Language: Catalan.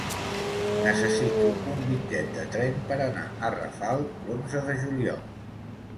Necessito un bitllet de tren per anar a Rafal l'onze de juliol.